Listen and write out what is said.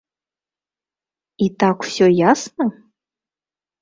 І так усё ясна?